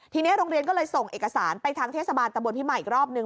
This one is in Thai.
ทีนี้โรงเรียนก็เลยส่งเอกสารไปทางเทศบาลตะบนพิมายอีกรอบนึง